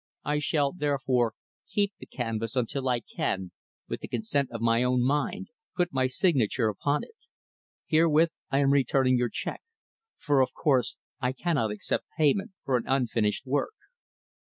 I shall, therefore, keep the canvas until I can, with the consent of my own mind, put my signature upon it. Herewith, I am returning your check; for, of course, I cannot accept payment for an unfinished work.